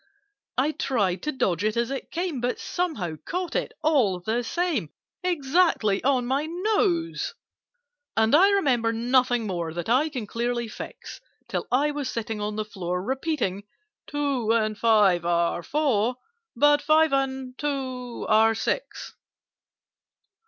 I tried to dodge it as it came, But somehow caught it, all the same, Exactly on my nose. And I remember nothing more That I can clearly fix, Till I was sitting on the floor, Repeating "Two and five are four, But five and two are six."